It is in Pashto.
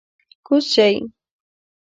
کوز شئ!